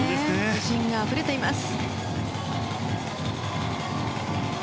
自信があふれています。